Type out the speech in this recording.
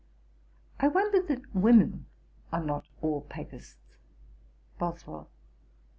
I wonder that women are not all Papists.' BOSWELL.